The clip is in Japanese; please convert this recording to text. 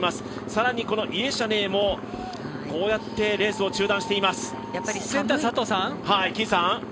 更にイェシャネーもこうやってレースを中断しています。